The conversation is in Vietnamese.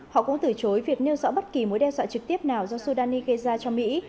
họ cũng từ chối việc nêu rõ bất kỳ mối đe dọa trực tiếp nào do sudani gây ra cho mỹ